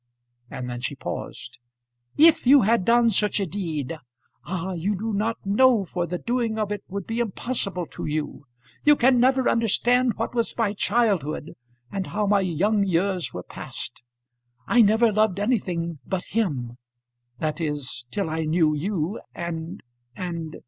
And then she paused. "If you had done such a deed! Ah, you do not know, for the doing of it would be impossible to you. You can never understand what was my childhood, and how my young years were passed. I never loved anything but him; that is, till I knew you, and and